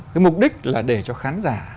cái mục đích là để cho khán giả